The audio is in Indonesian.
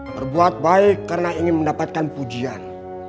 berbuat baik karena ingin mendapatkan pujian